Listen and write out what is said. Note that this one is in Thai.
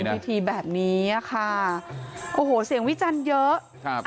ทำพิธีแบบนี้ค่ะโอ้โหเสียงวิจันเยอะ